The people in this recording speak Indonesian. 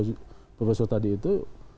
yang diperkirakan oleh profesor tadi itu